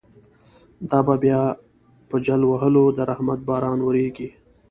دا به بیا په جل وهلو، د رحمت باران وریږی